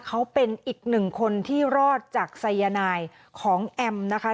เขาเป็นอีกหนึ่งคนที่รอดจากสายนายของแอมนะคะ